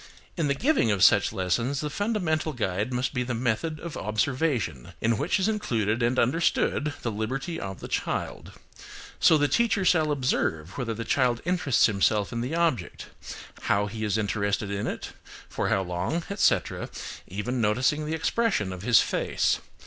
In the giving of such lessons the fundamental guide must be the method of observation, in which is included and understood the liberty of the child. So the teacher shall observe whether the child interests himself in the object, how he is interested in it, for how long, etc., even noticing the expression of his face.